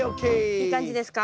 いい感じですか？